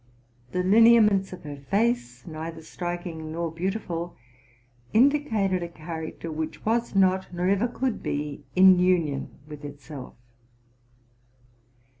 The lineaments of her face, neither striking nor beautiful, indicated a character which was not nor ever could be in union with itself.